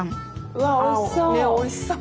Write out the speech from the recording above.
うわおいしそう！